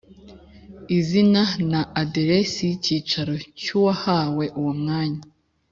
Izina na aderesi y icyicaro cy uwahawe uwo mwanya